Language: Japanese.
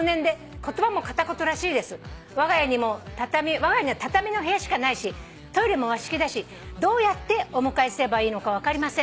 「わが家には畳の部屋しかないしトイレも和式だしどうやってお迎えすればいいのか分かりません」